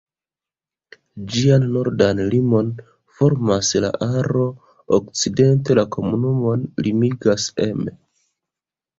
Ĝian nordan limon formas la Aro, okcidente la komunumon limigas Emme.